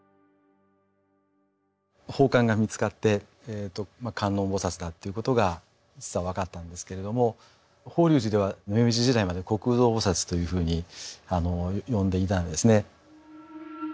宝冠が見つかって観音菩だっていうことが分かったんですけれども法隆寺では明治時代まで「虚空蔵菩」というふうに呼んでいたんですね。